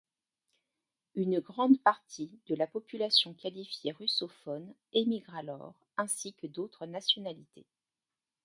Une grande partie de la population qualifiée russophone émigre alors, ainsi que d'autres nationalités.